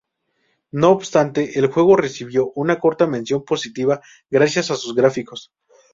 No obstante, el juego recibió una corta mención positiva gracias a sus gráficos.